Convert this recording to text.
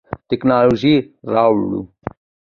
تکنالوژي راوړو.